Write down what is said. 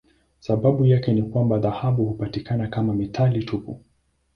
Sababu yake ni kwamba dhahabu hupatikana kama metali tupu.